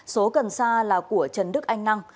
số cần sa là của trần đức anh năng